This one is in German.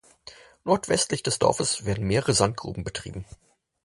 Nordwestlich des Dorfes werden mehrere Sandgruben betrieben.